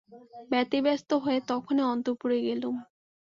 ব্যতিব্যস্ত হয়ে তখনি অন্তঃপুরে গেলুম।